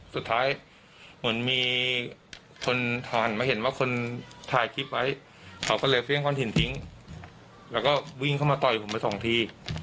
สุดท้ายเหมือนมีคนถอนมาเห็นว่าคนถ่ายคลิปไว้เขาก็เลยเฟี่ยงก้อนถิ่นทิ้งแล้วก็วิ่งเข้ามาต่อยผมไปสองที